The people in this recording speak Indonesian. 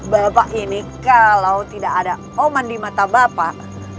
bapak ini kalau tidak ada oman di mata bapak